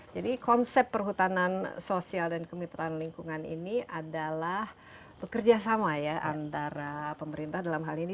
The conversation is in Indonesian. jadi konsep perhutanan sosial dan kemitraan lingkungan ini adalah bekerjasama ya antara pemerintah dalam hal ini